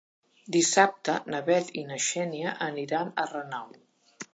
Dissabte na Bet i na Xènia aniran a Renau.